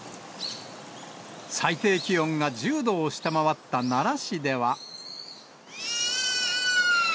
最低気温が１０度を下回った奈良市では。